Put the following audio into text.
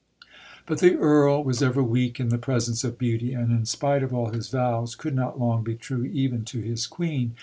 But the Earl was ever weak in the presence of beauty; and in spite of all his vows could not long be true even to his Queen.